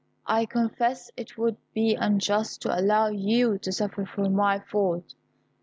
I confess it would be unjust to allow you to suffer for my fault.